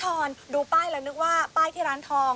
ดูป้ายแล้วนึกว่าป้ายที่ร้านทอง